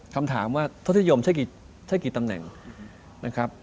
คำถามว่าทศนิยมใช้กี่ตำแหน่ง